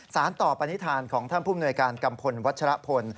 สารต่อปณิธานของท่านผู้มนวยการกัมพลวัชรพล